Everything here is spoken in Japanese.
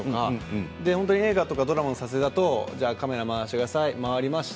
映画とかドラマの撮影だとカメラ回してください、回りました、